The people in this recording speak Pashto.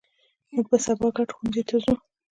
مونږ به سبا ګډ ښوونځي ته ځو